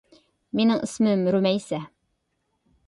مېنىڭ ئىسمىم رۇمەيسە